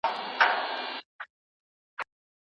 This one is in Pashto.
که تاسي غواړئ پښتو پرمختګ وکړي نو په پښتو کي فکر وکړئ.